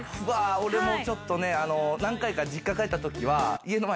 俺もちょっとね何回か実家帰った時は。